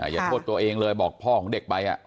อย่าโทษตัวเองเลยบอกพ่อของเด็กไป